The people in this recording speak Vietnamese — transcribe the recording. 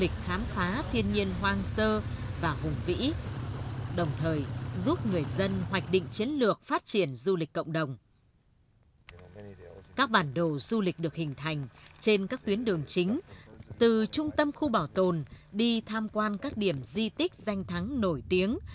các bản đồ du lịch được hình thành trên các tuyến đường chính từ trung tâm khu bảo tồn đi tham quan các điểm di tích danh thắng nổi tiếng